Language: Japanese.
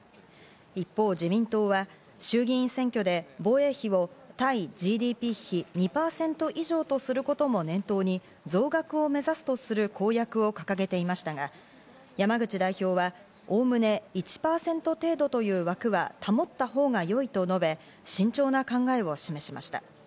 一方、自民党は衆議院選挙で防衛費を対ＧＤＰ比２％以上とすることも念頭に増額を目指すとする公約を掲げていましたが、山口代表はおおむね１％程度という枠は保ったほうがよいと述べ、慎重な考えを示しました。